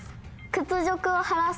「屈辱を晴らす」。